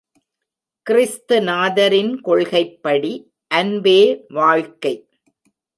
கிறிஸ்து நாதரின் கொள்கைப்படி, அன்பே வாழ்க்கை.